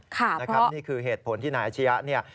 ค่ะเพราะนี่คือเหตุผลที่นายอาชริยะ